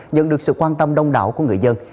nhận được sự quan tâm đông đảo của người dân